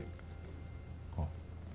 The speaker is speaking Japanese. あっ。